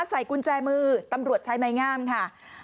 ใส่กุญแจมือตำรวจใช้ไม้งามค่ะ